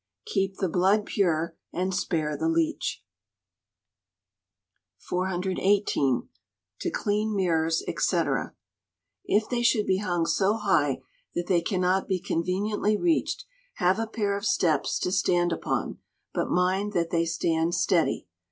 [KEEP THE BLOOD PURE AND SPARE THE LEECH.] 418. To Clean Mirrors, &c. If they should be hung so high that they cannot be conveniently reached, have a pair of steps to stand upon; but mind that they stand steady.